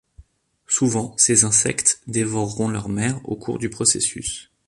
Souvent, ces insectes dévoreront leur mère au cours du processus.